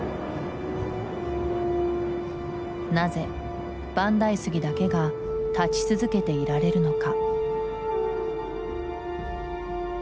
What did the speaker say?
なぜ万代杉だけが立ち続けていられるのか？